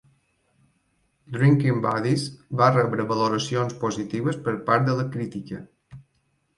"Drinking Buddies" va rebre valoracions positives per part de la crítica.